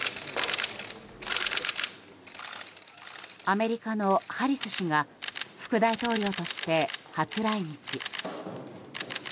アメリカのハリス氏が副大統領として初来日。